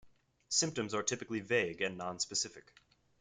Symptoms are typically vague and non-specific.